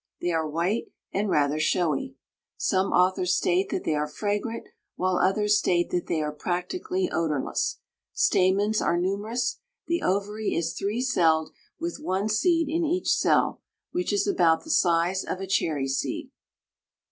They are white and rather showy. Some authors state that they are fragrant, while others state that they are practically odorless. Stamens are numerous. The ovary is three celled, with one seed in each cell, which is about the size of a cherry seed.